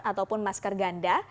ataupun masker ganda